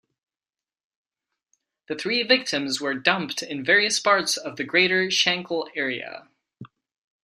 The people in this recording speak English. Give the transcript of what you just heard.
The three victims were dumped in various parts of the greater Shankill area.